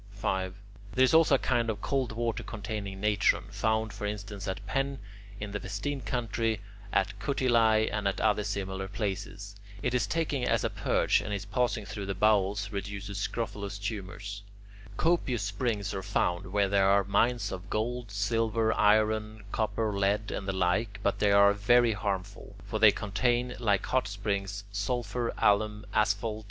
5. There is also a kind of cold water containing natron, found for instance at Penne in the Vestine country, at Cutiliae, and at other similar places. It is taken as a purge and in passing through the bowels reduces scrofulous tumours. Copious springs are found where there are mines of gold, silver, iron, copper, lead, and the like, but they are very harmful. For they contain, like hot springs, sulphur, alum, asphalt